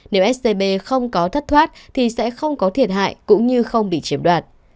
nếu scb không có thất thoát thì sẽ không có thiệt hại cũng như không bị chiếm đoạt